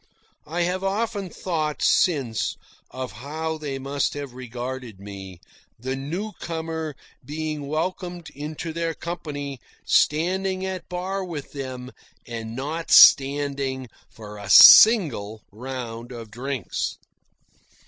I have often thought since of how they must have regarded me, the newcomer being welcomed into their company standing at bar with them, and not standing for a single round of drinks.